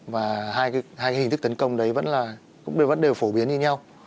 và hai hình thức tấn công đấy vẫn đều phổ biến như nhau